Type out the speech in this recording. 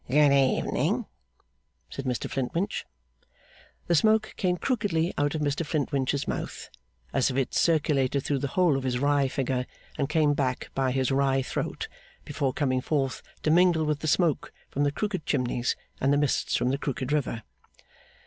'Good evening,' said Mr Flintwinch. The smoke came crookedly out of Mr Flintwinch's mouth, as if it circulated through the whole of his wry figure and came back by his wry throat, before coming forth to mingle with the smoke from the crooked chimneys and the mists from the crooked river.